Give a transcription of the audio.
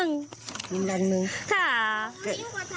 นั้นละก่อนมันไม่ใช่มีน้ำสืออะไรมิ